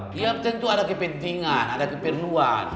tiap tentu ada kepentingan ada keperluan